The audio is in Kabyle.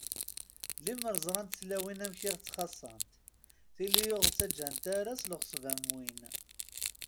Lemmer ẓrant tlawin amek i ɣ-ttxaṣṣant, tili ur ɣ-ttaǧǧant ara s leɣṣeb am win.